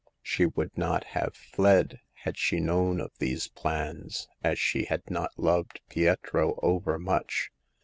She would not have fled had she known of these plans, as she had not loved Pietro overmuch.